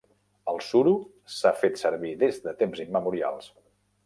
El suro s'ha fet servir des de temps immemorials.